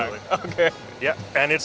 ini adalah pertama kali